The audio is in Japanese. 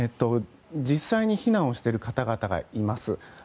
実際に避難をしている方々がいます。